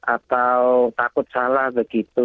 atau takut salah begitu